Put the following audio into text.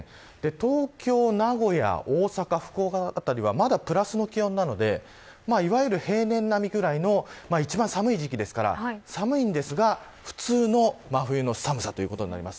東京、名古屋、大阪、福岡辺りはまだプラスの気温なのでいわゆる平年並みくらいの一番寒い時期ですから寒いんですが普通の真冬の寒さということになります。